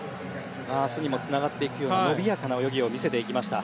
明日にもつながっていくような伸びやかな泳ぎを見せました。